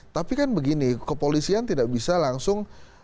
tapi kan begini kepolisian tidak bisa langsung